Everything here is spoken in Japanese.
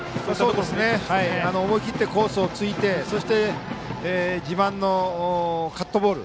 思い切ってコースを突いてそして、自慢のカットボール